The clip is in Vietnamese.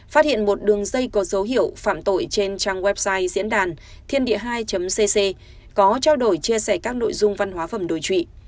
phát hiện một đường dây có dấu hiệu phạm tội trên trang website diễn đàn thiên địa hai cc có trao đổi chia sẻ các nội dung văn hóa phẩm đối trụy